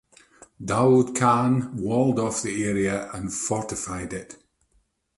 Daud Khan walled off the area and fortified it.